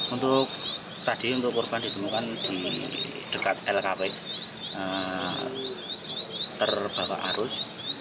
untuk tadi untuk korban ditemukan di dekat lkw terbawa arus